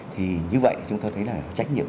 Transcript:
thì như vậy chúng tôi thấy là trách nhiệm